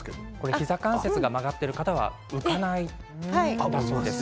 膝関節が曲がっている方は浮かないんだそうです。